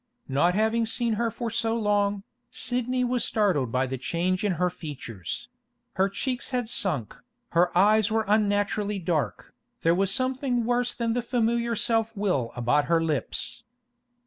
Not having seen her for so long, Sidney was startled by the change in her features; her cheeks had sunk, her eyes were unnaturally dark, there was something worse than the familiar self will about her lips.